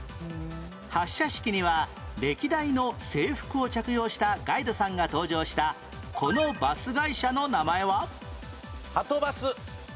発車式には歴代の制服を着用したガイドさんが登場したこのバス会社の名前は？はとバス。